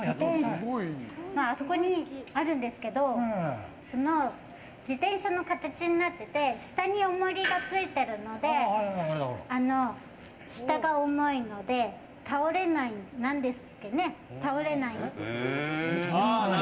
あそこにあるんですけど自転車の形になっていて下におもりがついているので下が重いので、倒れないんです。